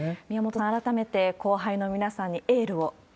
宮本さん、改めて後輩の皆さんにエールを。